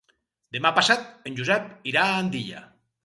Demà passat en Josep irà a Andilla.